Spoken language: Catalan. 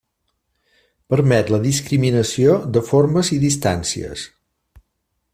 Permet la discriminació de formes i distàncies.